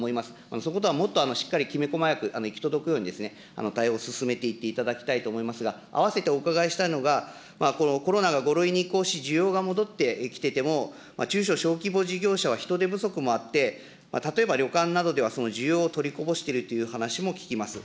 そこではもっときめ細かく行き届くように、対応を進めていっていただきたいと思いますが、併せてお伺いしたいのが、このコロナが５類に移行し、需要が戻ってきてても、中小・小規模事業者は人手不足もあって、例えば旅館などではその需要を取りこぼしているというような話も聞きます。